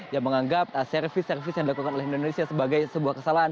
yang menganggap servis servis yang dilakukan oleh indonesia sebagai sebuah kesalahan